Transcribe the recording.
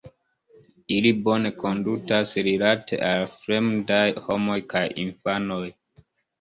Ili bone kondutas rilate al fremdaj homoj kaj infanoj.